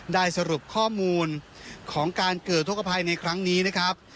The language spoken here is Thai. ได้สรุปข้อมูลของการเกิดทกภัยในครั้งนี้นะครับ